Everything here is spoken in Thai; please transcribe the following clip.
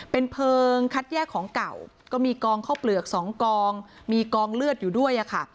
เป็นเพลิงคัดแยกของเก่าก็มีกองข้าวเปลือกสองกองมีกองเลือดอยู่ด้วยค่ะ